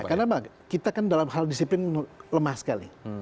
karena kita kan dalam hal disiplin lemah sekali